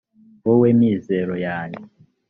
wowe mizero yanjye